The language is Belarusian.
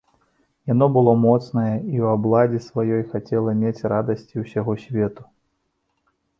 Яно было моцнае і ў абладзе сваёй хацела мець радасці ўсяго свету.